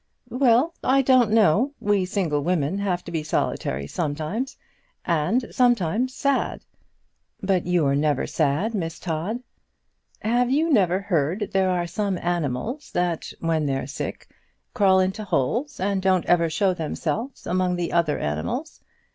"Well, I don't know. We single women have to be solitary sometimes and sometimes sad." "But you're never sad, Miss Todd." "Have you never heard there are some animals, that, when they're sick, crawl into holes, and don't ever show themselves among the other animals?